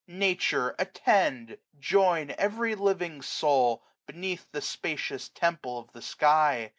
Nature, attend! join every living soul. Beneath the spacious temple of the sky.